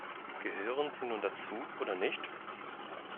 Gehören sie nun dazu oder nicht?